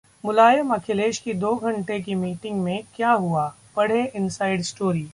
मुलायम-अखिलेश की दो घंटे की मीटिंग में क्या हुआ? पढ़ें-इनसाइड स्टोरी